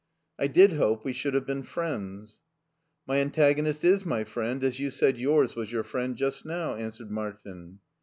I did hope we should have been friends." My antagonist is my friend, as you said yours was your friend just now," answered Martin.